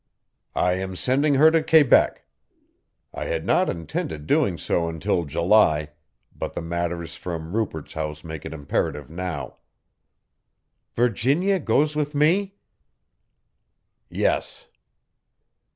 "I am sending her to Quebec. I had not intended doing so until July, but the matters from Rupert's House make it imperative now." "Virginia goes with me?" "Yes."